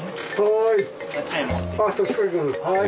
はい。